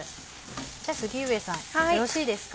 じゃあ杉上さんよろしいですか？